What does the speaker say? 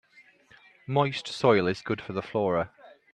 Moist soil is good for the flora.